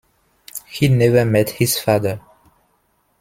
He never met his father.